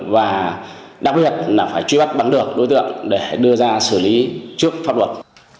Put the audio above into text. và đặc biệt là phải truy bắt bắn được đối tượng để đưa ra xử lý trước pháp luật